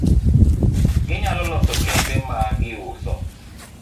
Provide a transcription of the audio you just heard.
Ginyalo loso kembe ma giuso